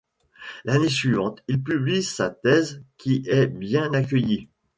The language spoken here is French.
L'année suivante, il publie sa thèse qui est bien accueillie.